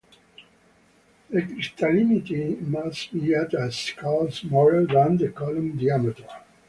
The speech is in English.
The crystallinity must be at a scale smaller than the column diameter.